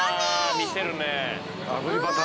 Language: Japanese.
見せるね。